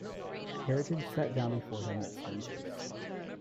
Heritage sat down before him with a stern face.